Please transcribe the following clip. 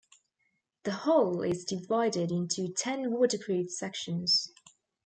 The hull is divided into ten waterproof sections.